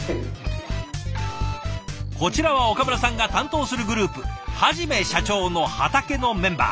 こちらは岡村さんが担当するグループ「はじめしゃちょーの畑」のメンバー。